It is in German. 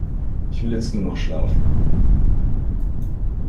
Ich will jetzt nur noch schlafen.